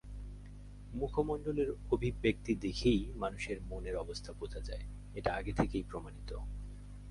মুখমণ্ডলের অভিব্যক্তি দেখেই মানুষের মনের অবস্থা বোঝা যায়, এটা আগে থেকেই প্রমাণিত।